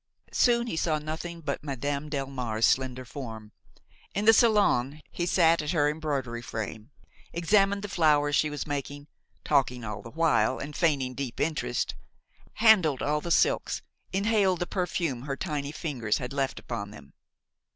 Soon he saw nothing but Madame Delmare's slender form. In the salon he sat at her embroidery frame, examined the flowers she was making–talking all the while and feigning deep interest–handled all the silks, inhaled the perfume her tiny fingers had left upon them.